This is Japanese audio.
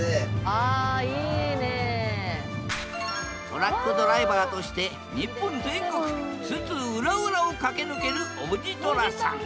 トラックドライバーとして日本全国津々浦々を駆け抜けるおじとらさん。